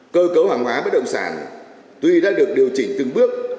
cơ cấu hàng hóa bất động sản tuy đã được điều chỉnh từng bước